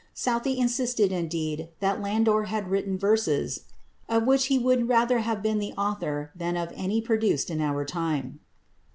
Southey insisted indeed that Landor had written verses "of which he would rather have been the author than of any produced in our time."